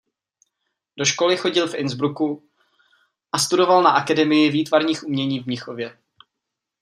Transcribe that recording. Do školy chodil v Innsbrucku a studoval na Akademii výtvarných umění v Mnichově.